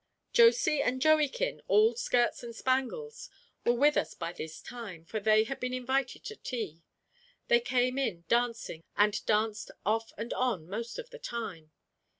Josy and Joeykin, all skirts and spangles, were with us by this time, for they had been invited to tea. They came in dancing, and danced off and on most of the time.